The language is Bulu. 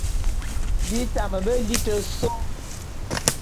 Bi tame be liti sô.